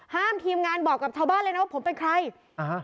ทีมงานบอกกับชาวบ้านเลยนะว่าผมเป็นใครอ่าฮะ